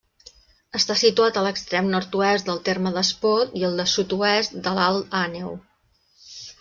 Està situat a l'extrem nord-oest del terme d'Espot i al de sud-oest del d'Alt Àneu.